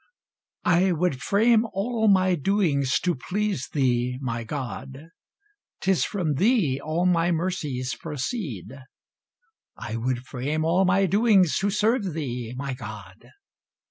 I would frame all my doings to please thee, my God! 'Tis from thee all my mercies proceed; I would frame all my doings to serve thee, my God!